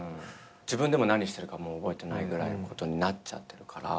自分でも何してるかもう覚えてないぐらいのことになっちゃってるから。